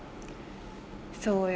『そうよ。